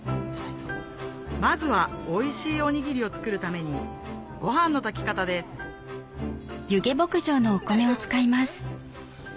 まずはおいしいおにぎりを作るためにご飯の炊き方です大丈夫大丈夫。